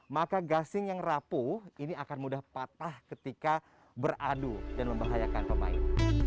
maka gasing yang rapuh ini akan mudah patah ketika beradu dan membahayakan pemain